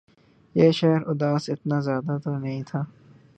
یہ شہر اداس اتنا زیادہ تو نہیں تھا